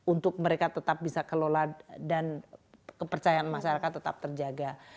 untuk mereka tetap bisa kelola dan kepercayaan masyarakat tetap terjaga